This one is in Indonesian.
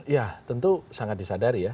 ya tentu sangat disadari ya